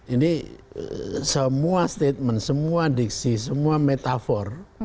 ini semua statement semua diksi semua metafor